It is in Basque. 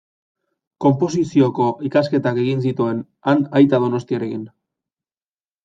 Konposizioko ikasketak egin zituen han Aita Donostiarekin.